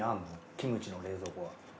キムチの冷蔵庫は。